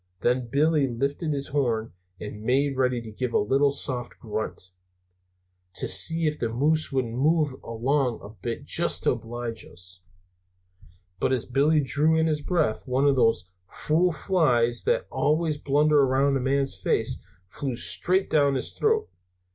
Then Billy lifted his horn and made ready to give a little soft grunt, to see if the moose wouldn't move along a bit, just to oblige us. But as Billy drew in his breath, one of those fool flies that are always blundering around a man's face flew straight down his throat.